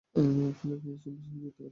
ফলে রেন্ডি চ্যাম্পিয়নশিপ জিততে ব্যর্থ গয়।